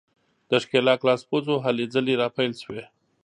د ښکېلاک لاسپوڅو هلې ځلې راپیل شوې.